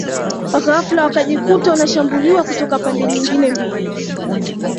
Ghafla wakajikuta wanashambuliwa kutoka pande nyingine mbili